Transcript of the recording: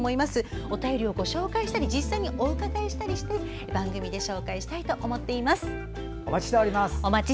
お便りをご紹介したり実際にお伺いしたりして番組で紹介したいと思っています。